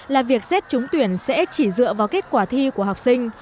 là việc xét trúng tuyển sẽ chỉ dựa vào kết quả thi của học sinh